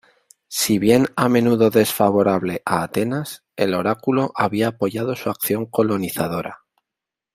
Si bien a menudo desfavorable a Atenas, el oráculo había apoyado su acción colonizadora.